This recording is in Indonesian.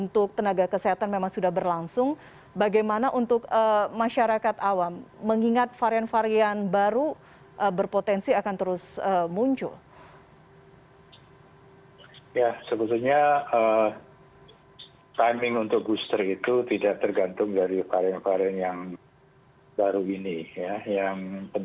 terima kasih pak presiden